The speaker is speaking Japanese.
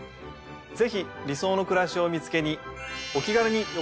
ぜひ理想の暮らしを見つけに。